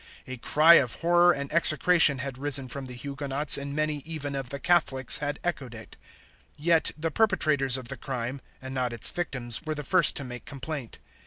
A cry of horror and execration had risen from the Huguenots and many even of the Catholics had echoed it; yet the perpetrators of the crime, and not its victims, were the first to make complaint.